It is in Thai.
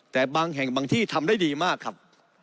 แต่บางแห่งบางที่ทำได้ดีมากครับ